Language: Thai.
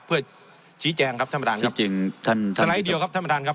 เพื่อชี้แจงครับท่านประธานที่จริงท่านสไลด์เดียวครับท่านประธานครับ